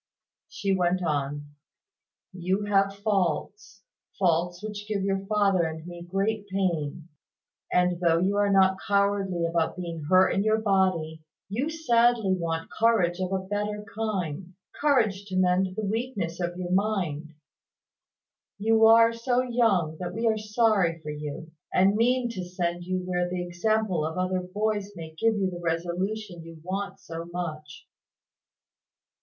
She went on "You have faults, faults which give your father and me great pain; and though you are not cowardly about being hurt in your body, you sadly want courage of a better kind, courage to mend the weakness of your mind. You are so young that we are sorry for you, and mean to send you where the example of other boys may give you the resolution you want so much."